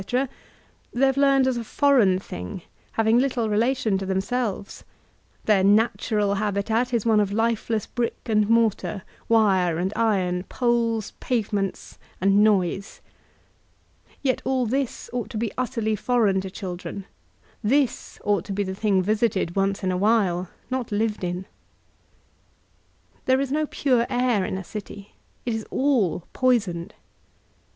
they have learned as a foreign thing, having little relation to themselves; their ''natural*' habitat is one of lifeless brick and mortar, wire and iron, poles, pavements, and noise. Yet all this ought to be utterly foreign to children* This ought to be the diing visited once in a while, not lived in. There is 00 pure air in a city; it is oA poisoned. Yet 33^ V(K.